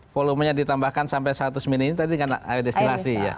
volumenya ditambahkan sampai seratus ml ini tadi kan air destilasi ya